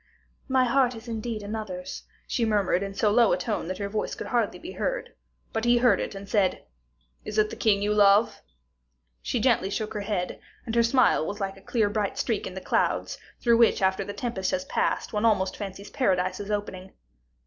"My heart is indeed another's," she murmured in so low a tone that her voice could hardly be heard; but he heard it, and said, "Is it the king you love?" She gently shook her head, and her smile was like a clear bright streak in the clouds, through which after the tempest has passed one almost fancies Paradise is opening.